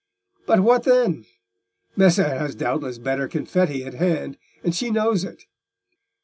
But what then? Messer has doubtless better confetti at hand, and she knows it."